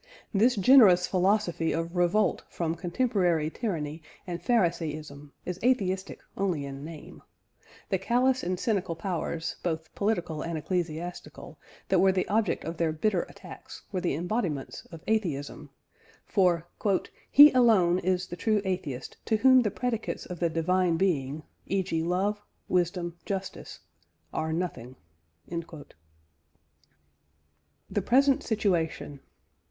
This generous philosophy of revolt from contemporary tyranny and pharisaism is atheistic only in name. The callous and cynical powers, both political and ecclesiastical, that were the object of their bitter attacks were the embodiments of atheism, for "He alone is the true atheist to whom the predicates of the Divine Being, e.g. love, wisdom, justice, are nothing." THE PRESENT SITUATION.